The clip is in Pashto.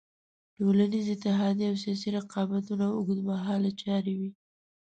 ټولنیزې اتحادیې او سیاسي رقابتونه اوږد مهاله چارې وې.